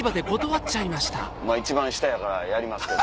まぁ一番下やからやりますけど。